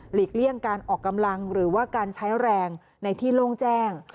เลี่ยงการออกกำลังหรือว่าการใช้แรงในที่โล่งแจ้ง